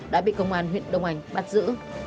đã bị công an huyện đông anh bắt giữ